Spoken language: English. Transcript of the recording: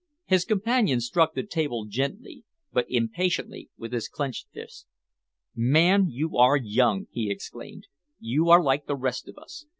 His companion struck the table gently but impatiently with his clenched fist. "Man, you are young!" he exclaimed. "You are like the rest of us.